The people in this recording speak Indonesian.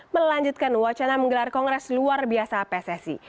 melanjutkan wacana menggelar kongres luar biasa pssi